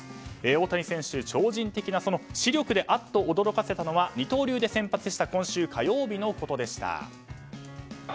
大谷選手、超人的な視力であっと驚かせたのは二刀流で先発した今週火曜日のことでした。